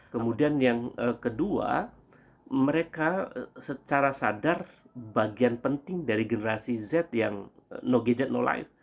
kedua mereka secara sadar bagian penting dari generasi z yang no gadget no life